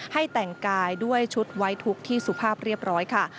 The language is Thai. ให้แต่งกายด้วยชุดไว้ทุกข์ที่สุภาพเรียบร้อยค่ะ